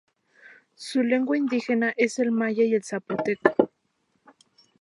Su lengua indígena es el maya y zapoteco.